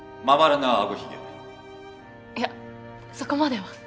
いやそこまでは。